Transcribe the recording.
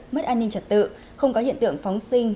mất an ninh trật tự không có hiện tượng phóng sinh